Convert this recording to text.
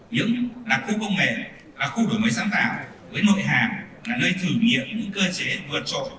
những đặc khu công nghệ khu đổi mới sáng tạo với nội hàng là nơi thử nghiệm những cơ chế vượt trội